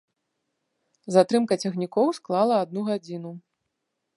Затрымка цягнікоў склала адну гадзіну.